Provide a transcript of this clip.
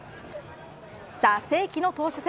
さあ、世紀の投手戦